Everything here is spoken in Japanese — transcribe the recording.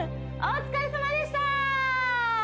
お疲れさまでした！